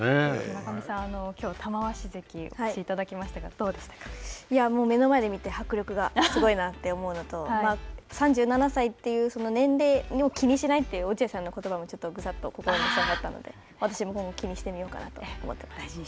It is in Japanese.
村上さん、きょう玉鷲関お越しいただきましたが目の前で見て、迫力がすごいなと思うのと３７歳という年齢を気にしないという落合さんのことばもちょっとぐさっと心に刺さったので、私も気にしてみようかなと思います。